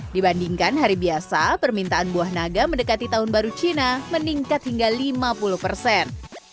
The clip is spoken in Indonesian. dibandingkan hari biasa permintaan buah naga mendekati tahun baru cina meningkat hingga lima puluh persen